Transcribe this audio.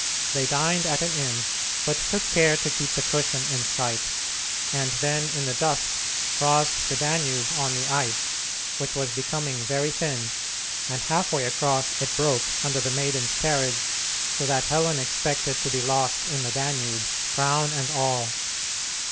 They dined at an inn, but took care to keep the cushion in sight, and then in the dusk crossed the Danube on the ice, which was becoming very thin, and half way across it broke under the maidens' carriage, so that Helen expected to be lost in the Danube, crown and all.